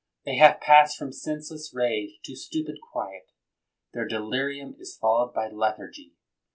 They have passed from senseless rage to stupid quiet. Their delirium is followed by lethargy.